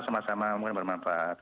sama sama mungkin bermanfaat